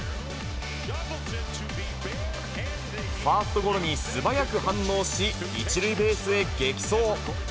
ファーストゴロに素早く反応し、１塁ベースへ激走。